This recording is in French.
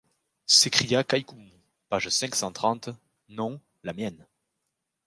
s’écria Kai-Koumou. Page cinq cent trente. — Non ! la mienne !